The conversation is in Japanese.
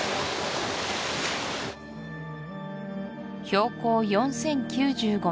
標高４０９５ｍ